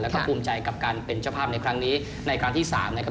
แล้วก็ภูมิใจกับการเป็นเจ้าภาพในครั้งนี้ในครั้งที่๓นะครับ